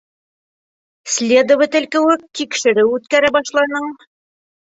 Следователь кеүек тикшереү үткәрә башланың.